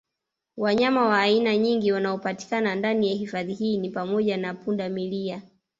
Wanyama wa aina nyingi wanaopatikana ndani ya hifadhi hii ni pamoja na punda milia